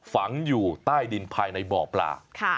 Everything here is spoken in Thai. ฝังอยู่ใต้ดินภายในบ่อปลา